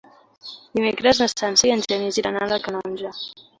Dimecres na Sança i en Genís iran a la Canonja.